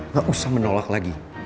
nggak usah menolak lagi